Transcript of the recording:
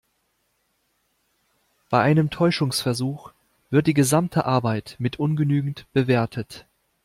Bei einem Täuschungsversuch wird die gesamte Arbeit mit ungenügend bewertet.